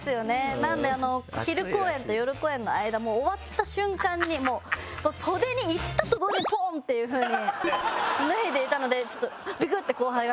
なので昼公演と夜公演の間終わった瞬間にもう袖に行ったと同時にポーンっていう風に脱いでいたのでちょっとビクッ！って後輩が。